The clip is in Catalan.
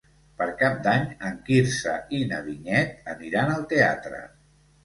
Per Cap d'Any en Quirze i na Vinyet aniran al teatre.